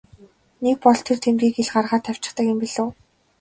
Нэг бол тэр тэмдгийг ил гаргаад тавьчихдаг юм билүү.